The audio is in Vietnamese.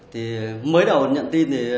thì mới đầu nhận tin thì